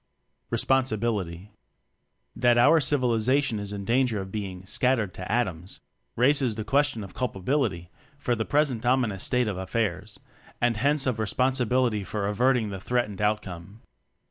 Responsibility. That our Civilization is in danger of Toeing "shattered to atoms," raises the question of culpability for the present ominous state of affairs, and hence of responsibility for averting the threatened outcome.